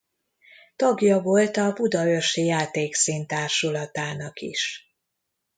Tagja volt a Budaörsi Játékszín társulatának is.